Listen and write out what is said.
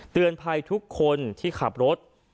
เตือนภัยทุกคนที่ขับรถ